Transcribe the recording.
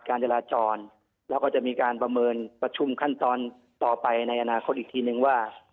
จราจรแล้วก็จะมีการประเมินประชุมขั้นตอนต่อไปในอนาคตอีกทีนึงว่า